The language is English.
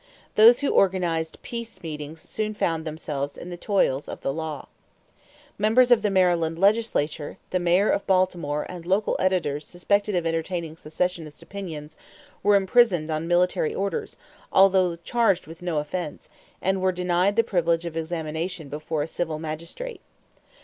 Those who organized "peace meetings" soon found themselves in the toils of the law. Members of the Maryland legislature, the mayor of Baltimore, and local editors suspected of entertaining secessionist opinions, were imprisoned on military orders although charged with no offense, and were denied the privilege of examination before a civil magistrate.